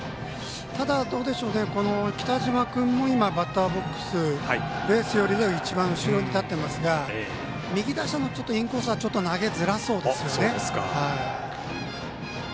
ただ、北島君も、今バッターボックス、ベース寄りの一番後ろに立っていますが右打者のインコースはちょっと投げづらそうですよね。